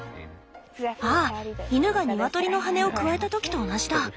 ああ犬がニワトリの羽根をくわえた時と同じだ。